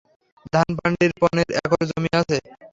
ধানপান্ডির পনের একর জমি আছে।